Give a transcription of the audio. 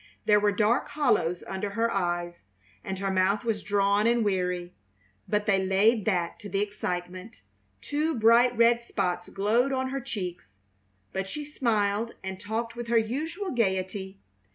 There were dark hollows under her eyes, and her mouth was drawn and weary, but they laid that to the excitement. Two bright red spots glowed on her cheeks; but she smiled and talked with her usual gaiety.